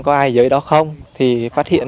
có ai dưới đó không thì phát hiện